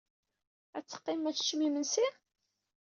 Ad teqqimem ad teččem imensi?